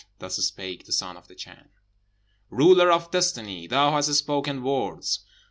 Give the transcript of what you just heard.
Thus spake the Son of the Chan. "Ruler of Destiny, thou hast spoken words!